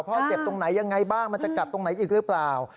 เจ็บตรงไหนยังไงบ้างมันจะกัดตรงไหนอีกหรือเปล่า